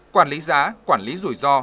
quản lý giá quản lý rủi ro